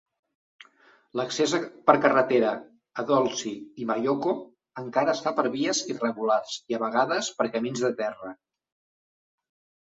L'accés per carretera a Dolisie i Mayoko encara es fa per vies irregulars i a vegades per camins de terra.